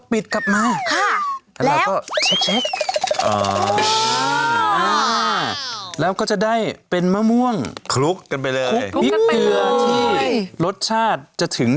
ที่มือไม่เปลื้อเลยนะฮะบอกว่าคงไม่ได้ท้องนะ